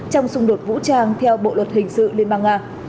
trong xung đột vũ trang theo bộ luật hình sự liên bang nga